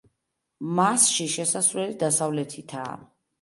მასში შესასვლელი დასავლეთითაა.